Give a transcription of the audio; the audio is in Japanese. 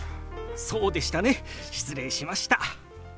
そうでしたね失礼しました。